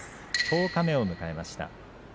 十日目を迎えました。